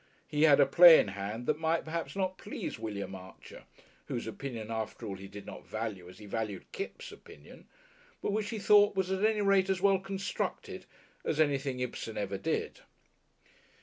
He had a play in hand that might perhaps not please William Archer whose opinion, after all, he did not value as he valued Kipps' opinion but which he thought was at any rate as well constructed as anything Ibsen ever did.